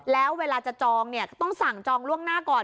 แล้วเวลาจะจองเนี่ยต้องสั่งจองล่วงหน้าก่อน